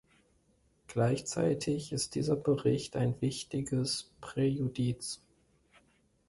Gleichzeitig ist dieser Bericht ein wichtiges Präjudiz.